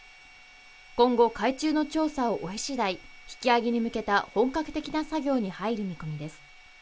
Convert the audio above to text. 今後、海中の調査を終えしだい引き揚げに向けた本格的な作業に入る見込みです。